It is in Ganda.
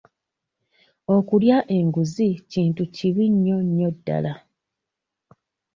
Okulya enguzi kintu kibi nnyo nnyo ddala.